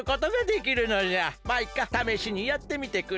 マイカためしにやってみてくれ。